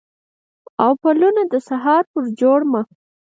او پلونه د سهار پر جوړمه